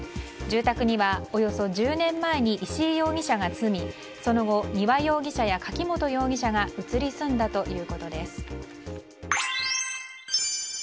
住宅には、およそ１０年前に石井容疑者が住みその後丹羽容疑者や柿本容疑者が移り住んだということです。